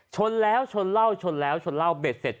ชนแล้วชนเล่าชนเล่าเบ็ดเสร็จ